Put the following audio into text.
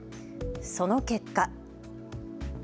その結果。